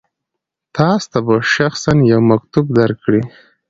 تاسو ته به شخصا یو مکتوب درکړي.